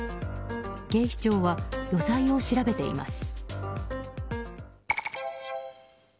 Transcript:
警視庁は余罪を調べています。